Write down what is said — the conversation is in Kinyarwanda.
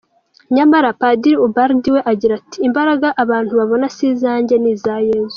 Nyamara, Padiri Ubald we agira ati “Imbaraga abantu babona si izanjye, ni iza Yezu.